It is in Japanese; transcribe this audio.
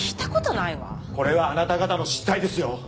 これはあなた方の失態ですよ！